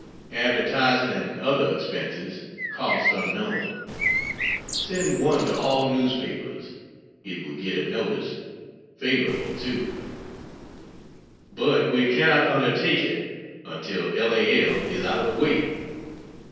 Advertising and other expenses cost unknown. Send one to all newspapers it would get a notice favorable, too. But we cannot undertake it until L. A. L, is out of the way.